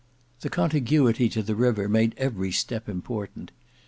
The contiguity to the river made every step important.